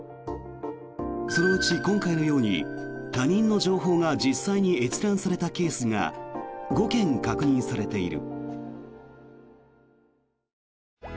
そのうち今回のように他人の情報が実際に閲覧されたケースが５件確認されている。